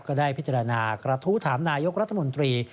ก็ได้พิจารณากระทู้ถามนายกรัฐมนตรี